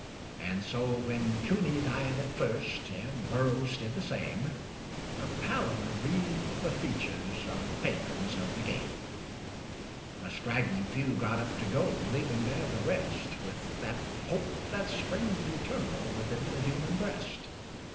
And so, when Cooney died at first, and Burrows did the same, A pallor wreathed the features of the patrons of the game. A straggling few got up to go, leaving there the rest, With that hope which springs eternal within the human breast.